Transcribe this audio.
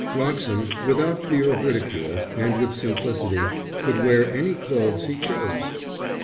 Wroxham, without fear of ridicule and with simplicity, could wear any clothes he chose.